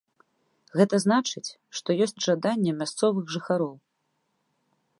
Гэта значыць, што ёсць жаданне мясцовых жыхароў.